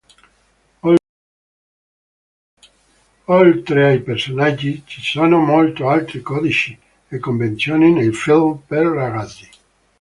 Oltre ai personaggi, ci sono molti altri codici e convenzioni nei "film per ragazzi".